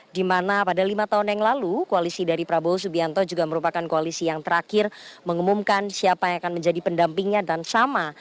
di mana pada lima tahun yang lalu koalisi dari prabowo subianto juga merupakan koalisi yang terakhir mengumumkan siapa yang akan menjadi pendampingnya dan sama